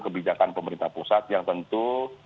kebijakan pemerintah pusat yang tentu